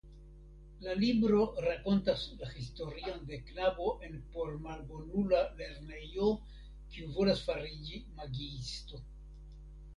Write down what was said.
La libro rakontas la historion de knabo en pormalbonula lernejo kiu volas fariĝi magiisto.